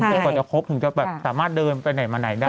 จากกว่าจะครบถึงจะสามารถเดินประเทศไปไหนได้